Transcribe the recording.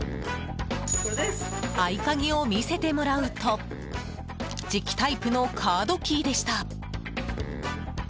合鍵を見せてもらうと磁気タイプのカードキーでした。